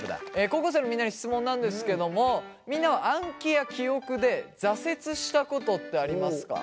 高校生のみんなに質問なんですけどもみんなは暗記や記憶で挫折したことってありますか？